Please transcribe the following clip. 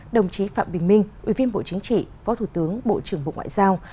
đồng chí phạm bình minh ủy viên bộ chính trị phó thủ tướng bộ trưởng bộ ngoại giao